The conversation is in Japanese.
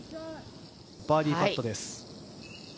バーディーパットです。